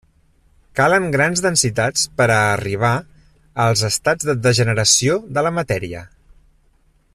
Calen grans densitats per a arribar als estats de degeneració de la matèria.